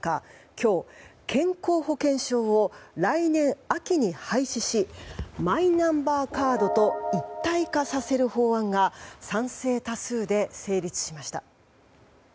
今日、健康保険証を来年秋に廃止しマイナンバーカードと一体化させる法案が賛成多数で成立しました。